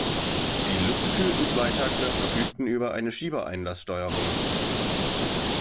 Die luftgekühlten Zweitakter verfügten über eine Schiebereinlass-Steuerung.